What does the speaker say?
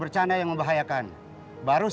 bagaimana kamu bisa mencapai gaji yang terakhir